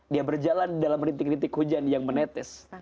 dia berjalan dalam rintik rintik hujan yang menetes